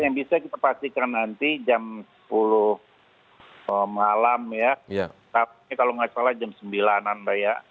yang bisa kita pastikan nanti jam sepuluh malam ya tapi kalau nggak salah jam sembilan an mbak ya